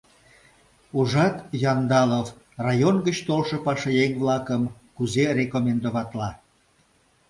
Ужат, Яндалов район гыч толшо пашаеҥ-влакым кузе рекомендоватла.